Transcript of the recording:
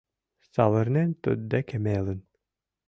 Савырнен туддеке мелын